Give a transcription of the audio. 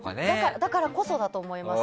だからこそだと思います。